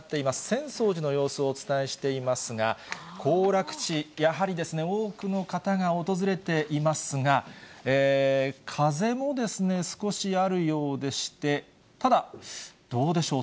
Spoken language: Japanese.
浅草寺の様子をお伝えしていますが、行楽地、やはり多くの方が訪れていますが、風も少しあるようでして、ただ、どうでしょう。